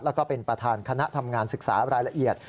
แล้วก็เป็นประธานคณะทำงานศึกษารายละเอียด